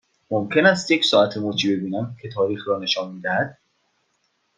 ممکن است یک ساعت مچی ببینم که تاریخ را نشان می دهد؟